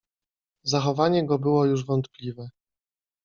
zachowanie go było już wątpliwe.